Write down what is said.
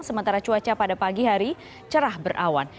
sementara cuaca pada pagi hari cerah berawan